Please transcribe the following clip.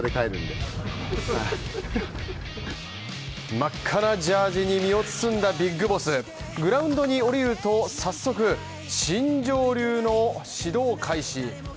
真っ赤なジャージに身を包んだビッグボスグラウンドに降りると、早速新庄流の指導開始。